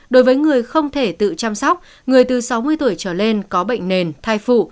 đối với người không thể tự chăm sóc người từ sáu mươi tuổi trở lên có bệnh nền thai phụ